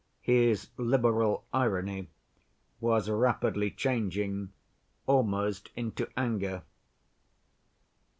His liberal irony was rapidly changing almost into anger.